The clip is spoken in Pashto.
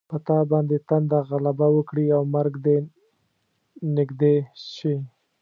په تا باندې تنده غلبه وکړي او مرګ دې نږدې شي.